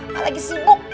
mak lagi sibuk